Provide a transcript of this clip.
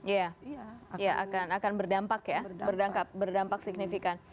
iya akan berdampak ya berdampak signifikan